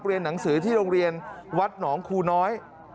เรียนหนังสือที่โรงเรียนวัดหนองคูน้อย